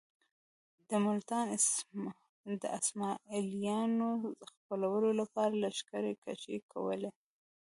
د ملتان د اسماعیلیانو د ځپلو لپاره لښکرکښۍ کولې.